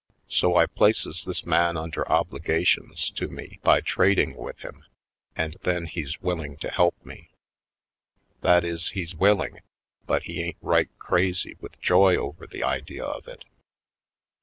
So I places this man under obligations to me by trading with him and then he's willing to help me. That is, he's willing, but he ain't right crazy with joy over the idea of it.